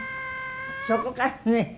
そこからね